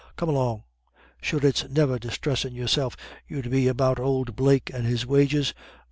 Come along. Sure it's niver disthressin' yourself you'd be about ould Blake and his wages?